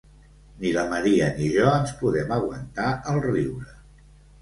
Ni la Maria ni jo no ens podem aguantar el riure.